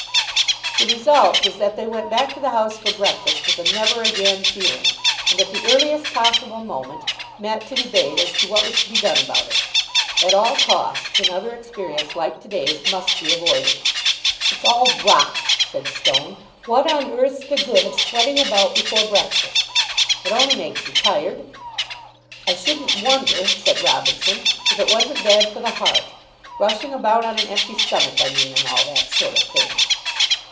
The result was that they went back to the house for breakfast with a never again feeling, and at the earliest possible moment met to debate as to what was to be done about it. At all costs another experience like to day's must be avoided. "It's all rot," said Stone. "What on earth's the good of sweating about before breakfast? It only makes you tired." "I shouldn't wonder," said Robinson, "if it wasn't bad for the heart. Rushing about on an empty stomach, I mean, and all that sort of thing."